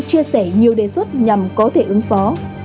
chia sẻ nhiều đề xuất nhằm có thể ứng phó